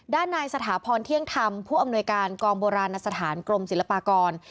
ด้านนายสถาพรเที่ยงธรรมผู้อำนวยการกองโบราณสถานกรมศิลปากร